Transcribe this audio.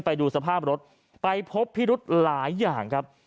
ไปดูสภาพรถไปพบพิรุธหลายอย่างครับ